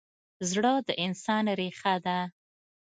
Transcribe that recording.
زړه د انسان ریښه ده.